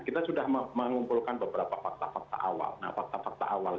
kita sudah mengumpulkan beberapa fakta fakta awal